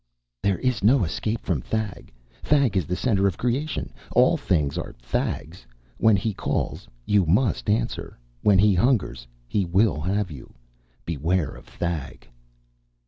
"There is no escape from Thag. Thag is the center of creation. All things are Thag's. When he calls, you must answer. When he hungers, he will have you. Beware of Thag!"